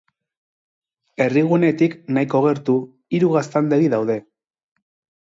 Herrigunetik nahiko gertu, hiru gaztandegi daude.